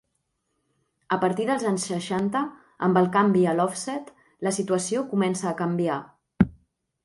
A partir dels anys seixanta, amb el canvi a l'òfset, la situació comença a canviar.